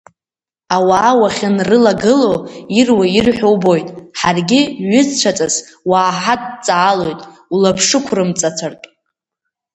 Ауаа уахьынрылагыло ируа ирҳәо убоит, ҳаргьы ҩызцәаҵас уааҳадҵаалоит улаԥшықәрымҵацәартә.